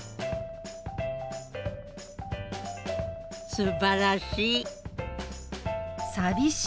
すばらしい。